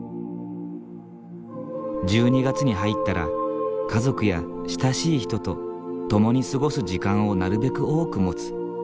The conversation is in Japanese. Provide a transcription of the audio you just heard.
１２月に入ったら家族や親しい人と共に過ごす時間をなるべく多く持つ。